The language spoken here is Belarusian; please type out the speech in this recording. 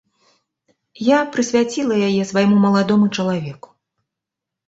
Я прысвяціла яе свайму маладому чалавеку.